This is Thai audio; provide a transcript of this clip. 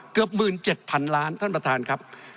เกือบ๑๗๐๐๐ล้านท่านประธานครับ